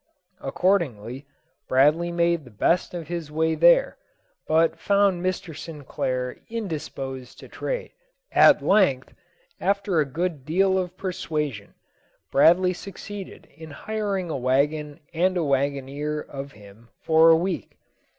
Accordingly, Bradley made the best of his way there, but found Mr. Sinclair indisposed to trade. At length, after a good deal of persuasion, Bradley succeeded in hiring a wagon and a wagoner of him for a week.